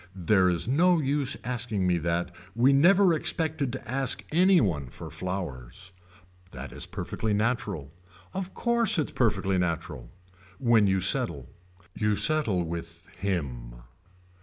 There is no use asking me that. We never expected to ask any one for flowers. That is perfectly natural. Of course it's perfectly natural. When you settle. You settle with Him.